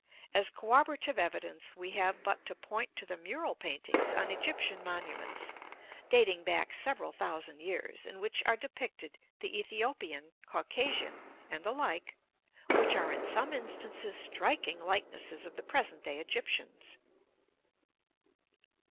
As corroborative evidence we have but to point to the mural paintings on Egyptian monuments, dating back several thousand years, in which are depicted the Ethiopian, Caucasian and the like, which are in some instances striking likenesses of the present day Egyptians.